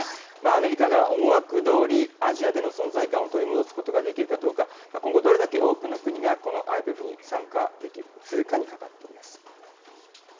アメリカが思惑どおり、アジアでの存在感を取り戻すことができるかどうか、今後、どれだけ多くの国が、このＩＰＥＦに参加するかにかかっています。